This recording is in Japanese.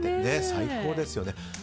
最高ですよね。